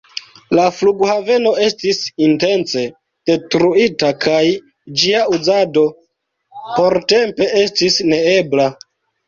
La flughaveno estis intence detruita, kaj ĝia uzado portempe estis neebla.